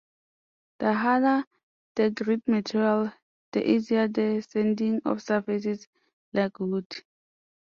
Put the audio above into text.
The harder the grit material, the easier the sanding of surfaces like wood.